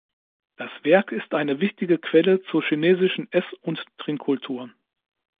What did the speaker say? Das Werk ist eine wichtige Quelle zur chinesischen Ess- und Trinkkultur.